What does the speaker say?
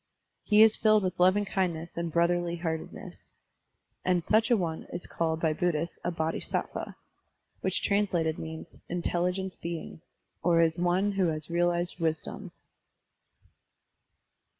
He is filled with loving kindness and brotherly heartedness. And such a one is called by Buddhists a Bodhisattva, which translated means " intelligence being,'* or "one who has realized wisdom."